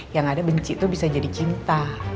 yang ada benci itu bisa jadi cinta